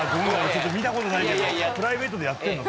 見たことないけどプライベートでやってんの？